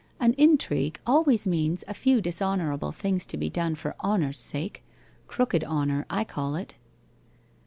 An intrigue always means a few dishon ourable things to be done for honour's 6ake — crooked honour, I call it!